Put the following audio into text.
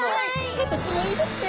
形もいいですね。